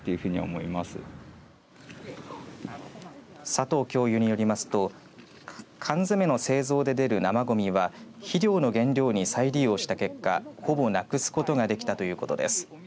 佐藤教諭によりますと缶詰の製造で出る生ごみは肥料の原料に再利用した結果ほぼ、なくすことができたということです。